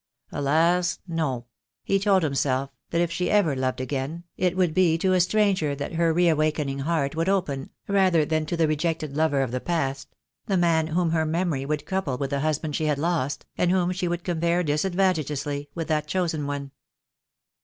Alas, no; he told himself that if she ever loved again, it would be to a stranger that her reawaken ing heart would open rather than to the rejected lover of the past, the man whom her memory would couple The Dav will come. I, IO I46 THE DAY WILL COME. with the husband she had lost, and whom she would com pare disadvantageously with that chosen one.